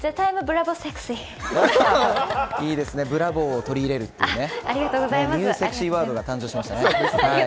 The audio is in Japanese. いいですね、ブラボーを取り入れるというねニューセクシーワードが誕生しましたね。